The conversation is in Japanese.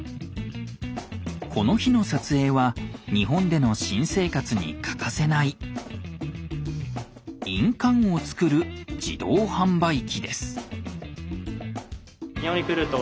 この日の撮影は日本での新生活に欠かせない印鑑を作る自動販売機です。